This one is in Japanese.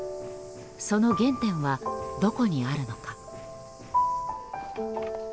その原点はどこにあるのか。